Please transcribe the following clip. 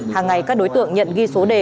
hàng ngày các đối tượng nhận ghi số đề